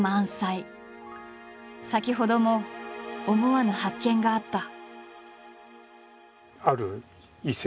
先ほども思わぬ発見があった。